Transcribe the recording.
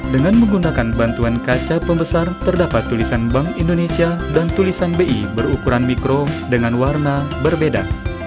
dengan menggunakan bantuan kaca pembesar terdapat tulisan bank indonesia dan tulisan bi berukuran mikro dengan warna berbeda